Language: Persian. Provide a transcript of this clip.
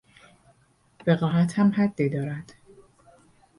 وقاحت هم حدی دارد